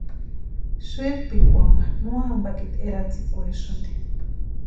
Sïrpikwanha no ampatiri eratsikwaesïnti.